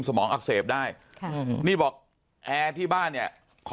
สมองอักเสบได้ค่ะนี่บอกแอร์ที่บ้านเนี่ยขอ